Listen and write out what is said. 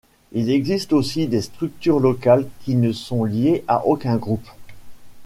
Il existe aussi des structures locales qui ne sont liées à aucun groupe.